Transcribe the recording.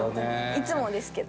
いつもですけど。